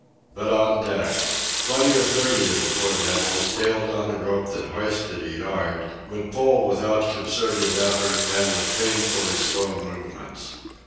But on deck! Twenty or thirty of the poor devils, tailed on a rope that hoisted a yard, would pull without concerted effort and with painfully slow movements.